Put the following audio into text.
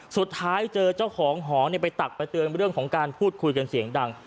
สุดท้ายเจอเจ้าของหอไปตักไปเตือนเรื่องของการพูดคุยกันเสียงดัง